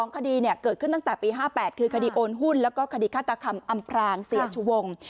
คดีเกิดขึ้นตั้งแต่ปี๕๘คือคดีโอนหุ้นแล้วก็คดีฆาตกรรมอำพรางเสียชีวิตวงศ์